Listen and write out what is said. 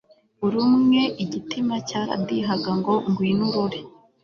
buri umwe igitima cyaradihaga ngo gwino urore